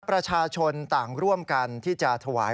ประชาชนต่างร่วมกันที่จะถวาย